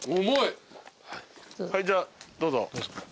はいじゃあどうぞ。